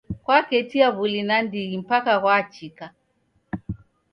Kwaketia w'uli nandighi mpaka ghwachika.